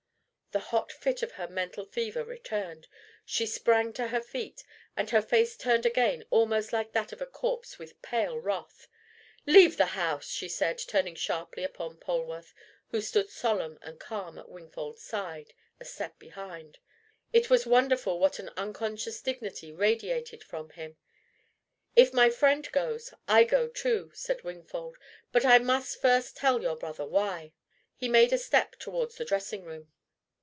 The hot fit of her mental fever returned. She sprang to her feet, and her face turned again almost like that of a corpse with pale wrath. "Leave the house!" she said, turning sharply upon Polwarth, who stood solemn and calm at Wingfold's side, a step behind. It was wonderful what an unconscious dignity radiated from him. "If my friend goes, I go too," said Wingfold. "But I must first tell your brother why." He made a step towards the dressing room.